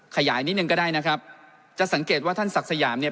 ขยายนิดนึงก็ได้นะครับจะสังเกตว่าท่านศักดิ์สยามเนี่ย